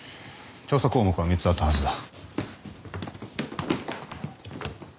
調査項目は３つあったはずだ。